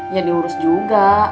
ya diurus juga